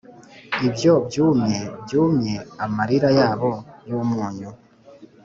ibyo byumye byumye amarira yabo yumunyu.